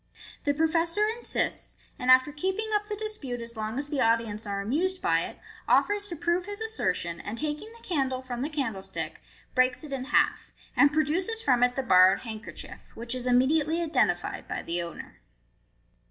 The professor insists, and after keeping up the dispute as long as the audience are amused by it, offers to prove his assertion, and taking the candle from the candlestick, breaks it in half, and produces from it the borrowed handkerchief, which is immediately identified by the owner.